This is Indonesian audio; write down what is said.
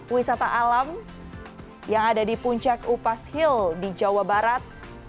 wisata alam yang ada di puncak upas hill di jawa barat